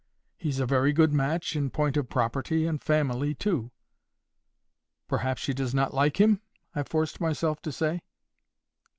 He's a very good match in point of property and family too." "Perhaps she does not like him?" I forced myself to say.